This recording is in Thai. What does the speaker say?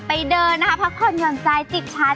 พักผ่อนหย่อนใจจิบชาติ